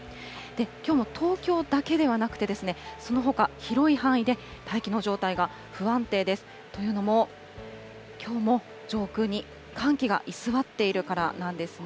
きょうも東京だけではなくて、そのほか、広い範囲で大気の状態が不安定です。というのも、きょうも上空に寒気が居座っているからなんですね。